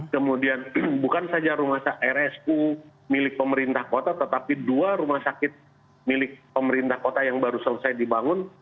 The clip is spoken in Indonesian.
kemudian bukan saja rumah rsu milik pemerintah kota tetapi dua rumah sakit milik pemerintah kota yang baru selesai dibangun